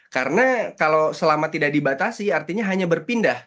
karena kalau selama tidak dibatasi artinya hanya berpindah